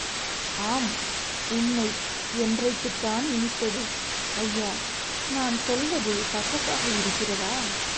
ஆம் உண்மை என்றைக்குத்தான் இனித்தது, ஐயா!... நான் சொல்வது கசப்பாக இருக்கிறதா?